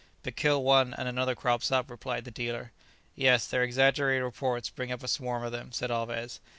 "But kill one, and another crops up," replied the dealer. "Yes, their exaggerated reports bring up a swarm of them," said Alvez.